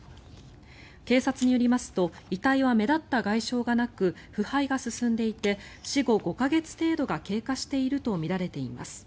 警察によりますと遺体は目立った外傷がなく腐敗が進んでいて死後５か月程度が経過しているとみられています。